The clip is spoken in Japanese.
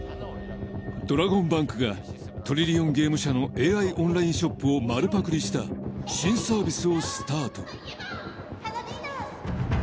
ドラゴンバンクがトリリオンゲーム社のＡＩオンラインショップを丸パクリした新サービスをスタート